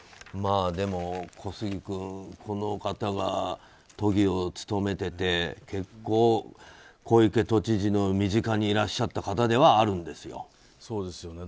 でも、小杉君この方が都議を務めてて結構、小池都知事の身近にいらっしゃった方ではあるんですよ。